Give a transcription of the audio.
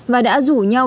và đã rủ nhau đến tòa nhà